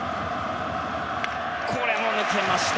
これも抜けました。